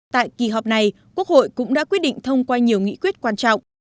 tại kỳ họp này quốc hội cũng đã quyết định thông qua nhiều nghị quyết quan trọng